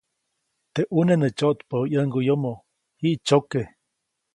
Teʼ ʼuneʼ nä tsyoʼtpäʼu ʼyäŋguʼyomo, jiʼtsyoke.